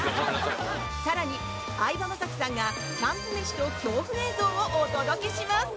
更に相葉雅紀さんがキャンプ飯と恐怖映像をお届けします。